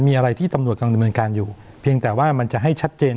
มีอะไรที่ตำรวจกำลังดำเนินการอยู่เพียงแต่ว่ามันจะให้ชัดเจน